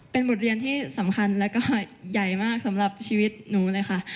เป็นบทเรียนที่สำคัญแล้วก็ใหญ่มากสำหรับชีวิตหนูเลยค่ะ